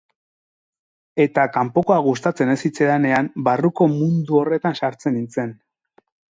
Eta kanpokoa gustatzen ez zitzaidanean, barruko mundu horretan sartzen nintzen.